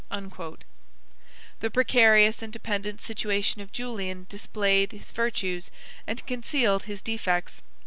90 The precarious and dependent situation of Julian displayed his virtues and concealed his defects.